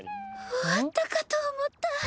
終わったかと思った。